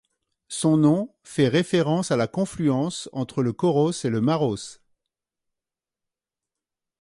Son nom fait référence à la confluence entre le Körös et le Maros.